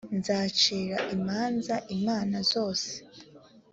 nzacira imanza imana zose